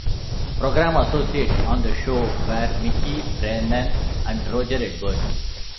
Programme associates on the show were Mickey Brennan and Roger Edwards.